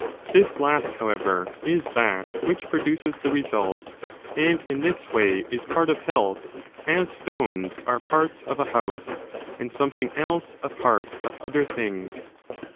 This last, how ever, is that which produces the result, and in this way is part of health, as stones are parts of a house, and something else a part of other things.